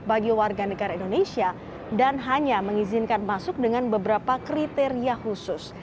bagi warga negara indonesia dan hanya mengizinkan masuk dengan beberapa kriteria khusus